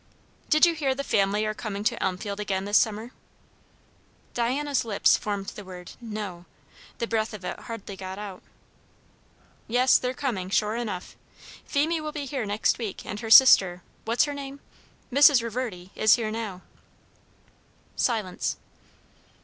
"Did you hear the family are coming to Elmfield again this summer?" Diana's lips formed the word "no;" the breath of it hardly got out. "Yes, they're coming, sure enough. Phemie will be here next week; and her sister, what's her name? Mrs. Reverdy is here now." Silence.